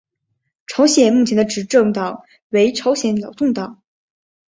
朝鲜目前的执政党为朝鲜劳动党。